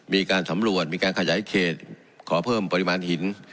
มีการสำรวจมีการขยายเขตขอเพิ่มปริมาณหิน